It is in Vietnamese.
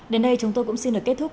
đến đây chúng tôi cũng xin được kết thúc